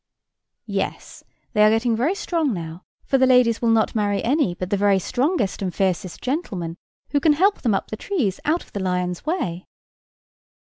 "Yes, they are getting very strong now; for the ladies will not marry any but the very strongest and fiercest gentlemen, who can help them up the trees out of the lions' way."